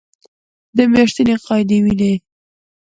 چې د میاشتنۍ قاعدې وینې